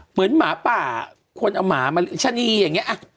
หมาป่าคนเอาหมามาชะนีอย่างนี้